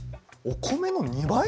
お米の２倍！？